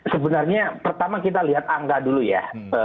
sebenarnya pertama kita lihat angka dulu ya